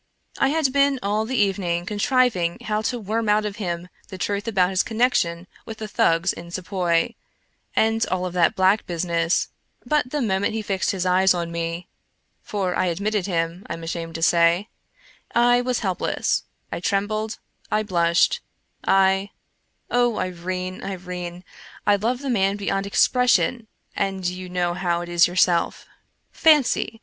I had been all the evening contriving how to worm out of him the truth about his connection with the Thugs in Sepoy, and all of that black business, but the moment he fixed his eyes on me (for I admitted him, I'm ashamed to say) I was helpless, I trembled, I blushed, I — O Irene, Irene, I love the man beyond expression, and you know how it is yourself! Fancy